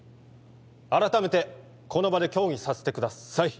改めてこの場で協議させてください